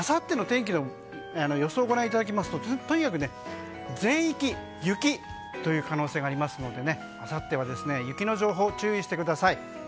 あさっての天気の予想をご覧いただきますととにかく全域雪という可能性がありますのであさっては雪の情報に注意してください。